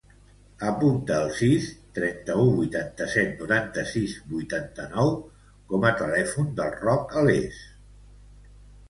Apunta el sis, trenta-u, vuitanta-set, noranta-sis, vuitanta-nou com a telèfon del Roc Ales.